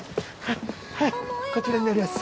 こちらになります